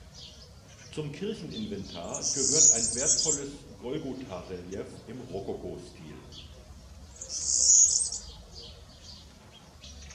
Zum Kircheninventar gehört ein wertvolles Golgotha-Relief im Rokokostil.